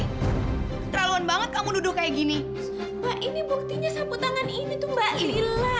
keterlaluan banget kamu duduk kayak gini mbak ini buktinya sabu tangan ini tuh mbak lila